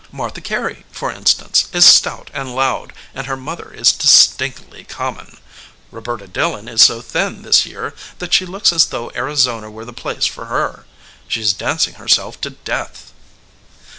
Martha Carey, for instance, is stout and loud, and her mother is distinctly common. Roberta Dillon is so thin this year that she looks as though Arizona were the place for her. She's dancing herself to death."